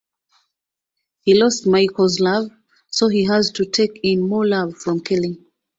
He lost Michael's love so he has to take in more love from Kelly.